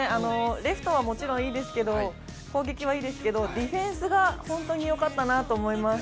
レフトはもちろんいいですが、攻撃もいいですが、ディフェンスが本当によかったなと思います。